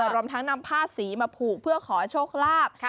รวมทั้งนำผ้าสีมาผูกเพื่อขอโชคลาภ